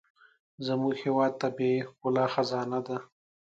زموږ هېواد د طبیعي ښکلا خزانه ده.